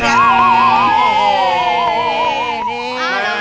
เรามี